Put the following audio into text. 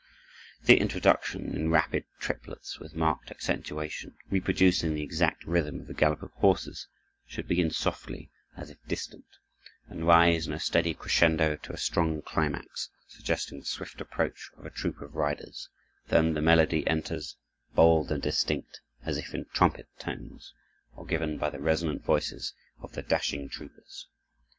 The introduction, in rapid triplets, with marked accentuation, reproducing the exact rhythm of the gallop of horses, should begin softly, as if distant, and rise in a steady crescendo to a strong climax, suggesting the swift approach of a troop of riders; then the melody enters, bold and distinct, as if in trumpet tones, or given by the resonant voices of the dashing troopers.